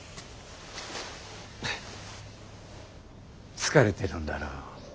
疲れてるんだろ？